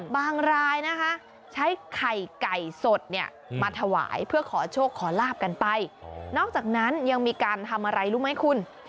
รายนะคะใช้ไข่ไก่สดเนี่ยมาถวายเพื่อขอโชคขอลาบกันไปนอกจากนั้นยังมีการทำอะไรรู้ไหมคุณ